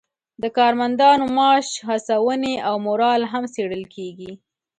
د کارمندانو معاش، هڅونې او مورال هم څیړل کیږي.